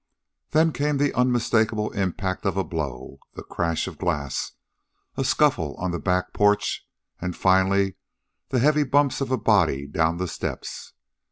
Then came the unmistakable impact of a blow; the crash of glass; a scuffle on the back porch; and, finally, the heavy bumps of a body down the steps.